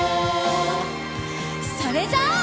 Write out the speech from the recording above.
それじゃあ。